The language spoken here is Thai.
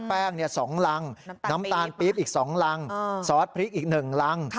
แป้ง๒รังน้ำตาลปี๊บอีก๒รังซอสพริกอีก๑รัง